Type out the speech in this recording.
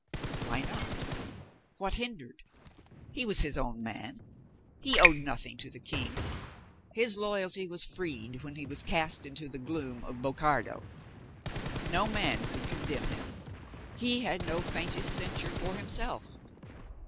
Why not? What hindered? He was his own man. He owed nothing to the King. His loyalty was freed when he was cast into the gloom of Bocardo. No man could condemn him. He had no faintest censure for himself.